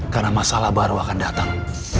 karena masalah baru akan datang